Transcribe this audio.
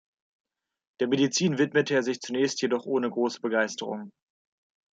Der Medizin widmete er sich zunächst jedoch ohne große Begeisterung.